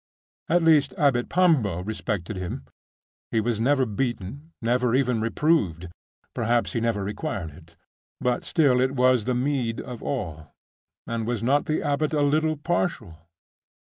At least, Abbot Pambo respected him. He was never beaten; never even reproved perhaps he never required it; but still it was the meed of all; and was not the abbot a little partial?